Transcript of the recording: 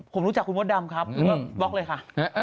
ผมรู้จักคุณมดดำครับบล็อกเลยค่ะ